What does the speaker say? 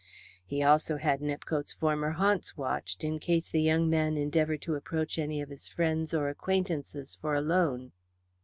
He also had Nepcote's former haunts watched in case the young man endeavoured to approach any of his friends or acquaintances for a loan.